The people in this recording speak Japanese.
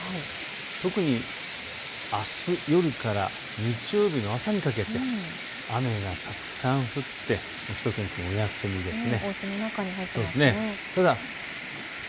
特にあす夜から日曜日の朝にかけて雨がたくさん降って、しゅと犬くんお休みです。